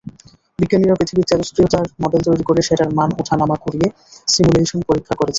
বিজ্ঞানীরা পৃথিবীর তেজষ্ক্রিয়তার মডেল তৈরী করে সেটার মান ওঠা নামা করিয়ে সিমুলেশনে পরীক্ষা করেছেন।